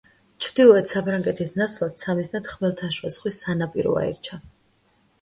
ჩრდილოეთ საფრანგეთის ნაცვლად სამიზნედ ხმელთაშუა ზღვის სანაპირო აირჩა.